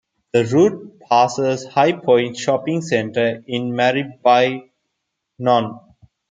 The route passes Highpoint Shopping Centre in Maribyrnong.